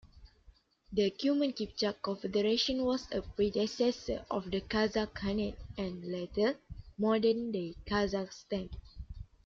The Cuman-Kipchak confederation was a predecessor of the Kazakh Khanate and, later, modern-day Kazakhstan.